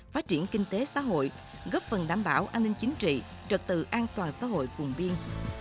phát triển kinh tế xã hội góp phần đảm bảo an ninh chính trị trật tự an toàn xã hội vùng biên